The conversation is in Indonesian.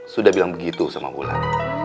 sudah bilang begitu sama bulan